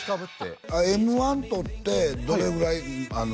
Ｍ−１取ってどれぐらい？